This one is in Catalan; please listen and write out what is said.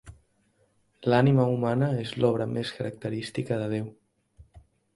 L'ànima humana és l'obra més característica de Déu.